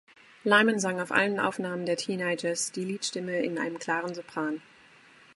Lymon sang auf allen Aufnahmen der Teenagers die Leadstimme in einem klaren Sopran.